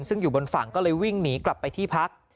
ซึ่งอยู่บนฝั่งก็เลยวิ่งหนีกลับไปที่พัก